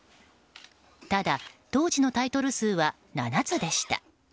ただ、当時のタイトル数は７つでした。